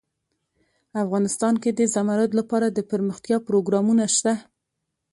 افغانستان کې د زمرد لپاره دپرمختیا پروګرامونه شته.